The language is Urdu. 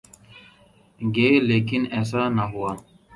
گے لیکن ایسا نہ ہوا۔